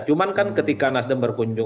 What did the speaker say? cuman kan ketika nasdem berpunyai